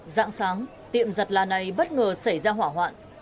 giãng sáng tiệm giật là này bất ngờ xảy ra hỏa hoạn